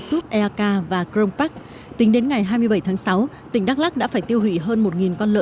suất ea ca và krong pak tính đến ngày hai mươi bảy tháng sáu tỉnh đắk lắk đã phải tiêu hủy hơn một con lợn